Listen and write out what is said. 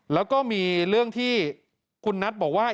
แล้วก็มีเรื่องที่คุณนัทบอกว่า